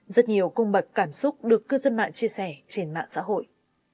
rất nhiều cung bậc cảm xúc được cư dân mạng chia sẻ trên mạng xã hội